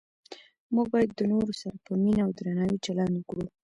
موږ باید د نورو سره په مینه او درناوي چلند وکړو